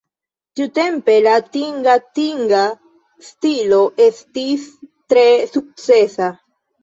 Tiutempe la tingatinga stilo estis tre sukcesa.